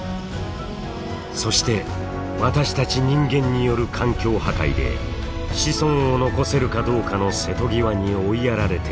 そして私たち人間による環境破壊で子孫を残せるかどうかの瀬戸際に追いやられているもの。